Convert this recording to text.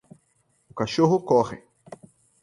O cachorro corre.